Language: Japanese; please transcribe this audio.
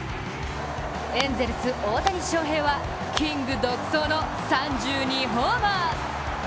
エンゼルス・大谷翔平はキング独走の３２ホーマー。